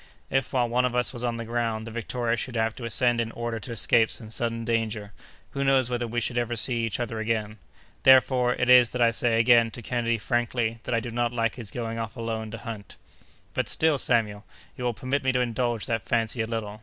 If, while one of us was on the ground, the Victoria should have to ascend in order to escape some sudden danger, who knows whether we should ever see each other again? Therefore it is that I say again to Kennedy frankly that I do not like his going off alone to hunt." "But still, Samuel, you will permit me to indulge that fancy a little.